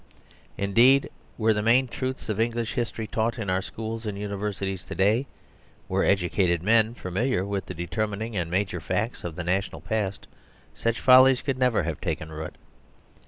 Indeed, were the main truths of English history taught in our schools and universities to day, were educated men familiar with the determining and major facts of the national past, such follies could never have taken root.